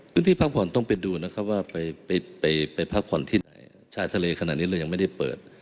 พื้นที่พักผ่อนต้องไปดูนะครับว่าไปไปพักผ่อนที่ไหนชายทะเลขนาดนี้เรายังไม่ได้เปิด